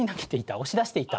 押し出していた？